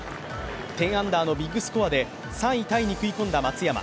１０アンダーのビッグスコアで３位タイに食い込んだ松山。